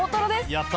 やった！